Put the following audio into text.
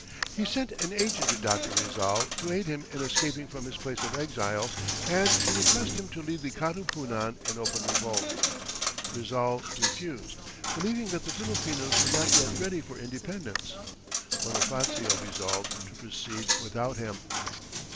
He sent an agent to Dr. Rizal to aid him in escaping from his place of exile and to request him to lead the Katipunan in open revolt. Rizal refused, believing that the Filipinos were not yet ready for independence. Bonifacio resolved to proceed without him.